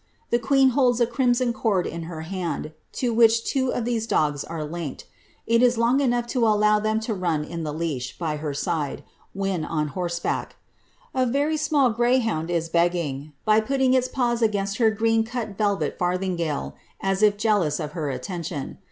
The queen holds a crimson cord in her hand, to which two of these dogs are linked ; it is long enough to allow them to run in the leash, by her side, when on horse back. A very small greyhound is begging, by putting its paws against her green cut velvet farthingale, as if jealous of her attention.